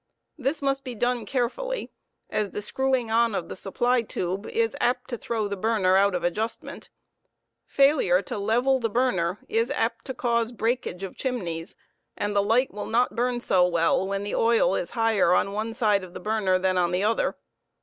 This must be done carefully, as the screwing on of the supply tube is apt to throw the burner out of adjustment ' Failore to level the burner is apt to cause breakage of chimneys; and the light will not burn so well when the oil is higher on one side of the burner than on the other.